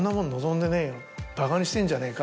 「ばかにしてんじゃねえか」